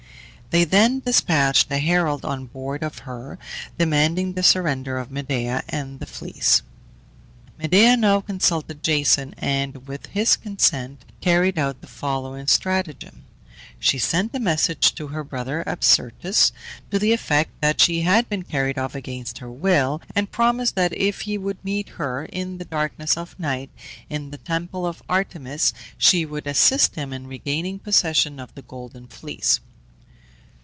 They then despatched a herald on board of her, demanding the surrender of Medea and the Fleece. Medea now consulted Jason, and, with his consent, carried out the following stratagem. She sent a message to her brother Absyrtus, to the effect that she had been carried off against her will, and promised that if he would meet her, in the darkness of night, in the temple of Artemis, she would assist him in regaining possession of the Golden Fleece.